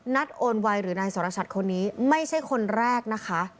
โอนไวหรือนายสรชัดคนนี้ไม่ใช่คนแรกนะคะ